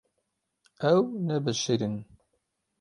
Ew nebişirîn.